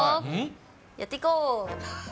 やっていこう。